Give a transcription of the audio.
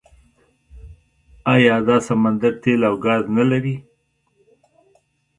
آیا دا سمندر تیل او ګاز نلري؟